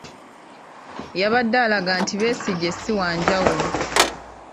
Yabadde alaga nti Besigye ssi wanjawulo.